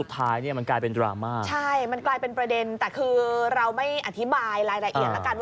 ก็ไม่ได้อยากตอบย้ำซ้ำอีก